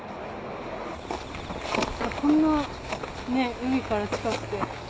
こんな海から近くて。